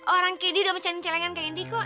orang endi udah mencari celengan ke endi kok